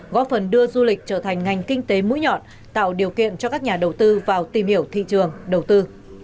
góp phần đưa du lịch trở thành ngành kinh tế mũi nhọn tạo điều kiện cho các nhà đầu tư vào tìm hiểu thị trường đầu tư